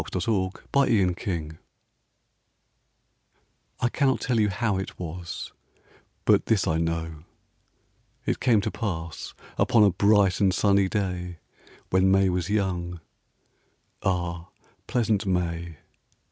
Christina Rossetti May I cannot tell you how it was, But this I know: it came to pass Upon a bright and sunny day When May was young; ah, pleasant May!